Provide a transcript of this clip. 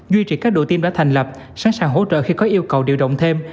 duy trì các đội tiêm đã thành lập sẵn sàng hỗ trợ khi có yêu cầu điều động thêm